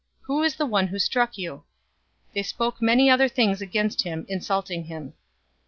Who is the one who struck you?" 022:065 They spoke many other things against him, insulting him.